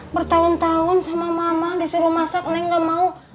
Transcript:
bertahun tahun sama mama disuruh masak neng nggak mau